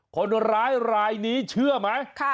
คนร้ายรายนี้เชื่อไหม